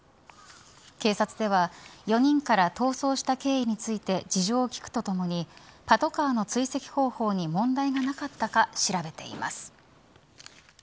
警察では４人から逃走した経緯について事情を聞くとともにパトカーの追跡方法に問題がなかったか調べています。